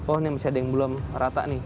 oh ini masih ada yang belum rata nih